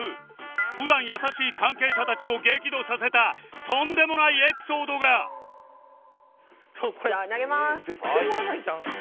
普段優しい関係者たちを激怒させたとんでもないエピソードがじゃあ投げます。